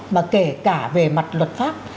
mà kể cả về mặt luật pháp